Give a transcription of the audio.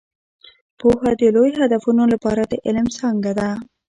پوهه د لوی هدفونو لپاره د علم څانګه ده.